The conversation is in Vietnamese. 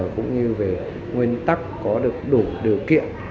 cũng như về nguyên tắc có được đủ điều kiện